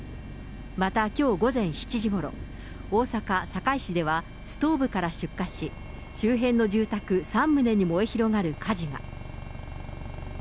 またきょう午前７時ごろ、大阪・堺市では、ストーブから出火し、周辺の住宅３棟に燃え広がる火事が。